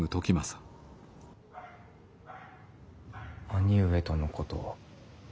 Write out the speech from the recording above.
兄上とのこと